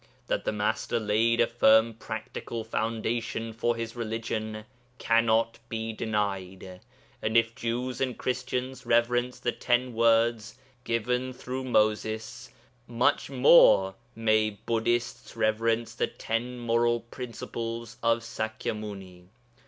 That the Master laid a firm practical foundation for his religion cannot be denied, and if Jews and Christians reverence the Ten Words given through 'Moses,' much more may Buddhists reverence the ten moral precepts of Sakya Muni.